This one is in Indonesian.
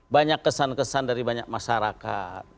banyak kesan kesan dari banyak masyarakat